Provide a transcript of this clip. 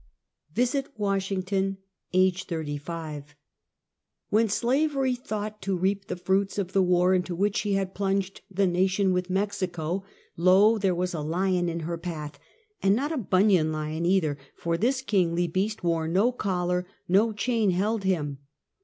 VISIT WASHINGTON AGE, 35. When slavery thought to reap the fruits of the war into which she had plunged the nation with Mexico, lo! cliere was a lion in her path, and not a Bunyan lion either, for this kingly beast wore no collar, no chain held him.